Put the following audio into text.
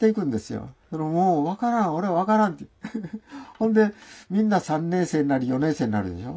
ほんでみんな３年生なり４年生になるでしょ。